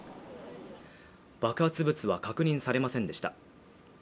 爆発物は確認されませんでした